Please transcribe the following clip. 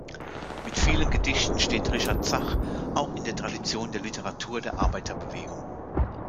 Mit vielen Gedichten steht Richard Zach auch in der Tradition der Literatur der Arbeiterbewegung.